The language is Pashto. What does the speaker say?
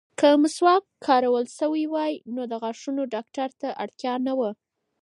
که مسواک کارول شوی وای، نو د غاښونو ډاکټر ته اړتیا نه وه.